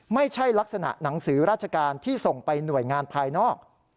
ไม่ใช่ลักษณะหนังสือราชการที่ส่งไปหน่วยงานภายนอก